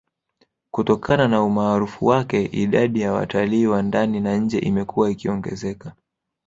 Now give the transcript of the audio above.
Kutokana na umaarufu wake idadi ya watalii wa ndani na nje imekuwa ikiongezeka